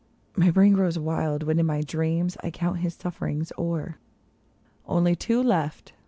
My brain grows wild when in my dreams I count his suffer ings o'er. Only two left